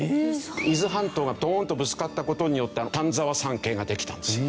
伊豆半島がドン！とぶつかった事によって丹沢山系ができたんですよ